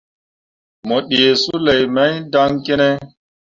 Mo ɗǝǝ soulei mai dan kǝne.